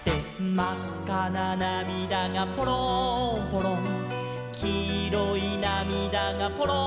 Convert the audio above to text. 「まっかななみだがぽろんぽろん」「きいろいなみだがぽろんぽろん」